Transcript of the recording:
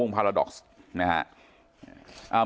เมื่อที่๔แล้ว